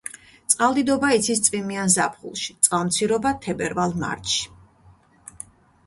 წყალდიდობა იცის წვიმიან ზაფხულში, წყალმცირობა თებერვალ-მარტში.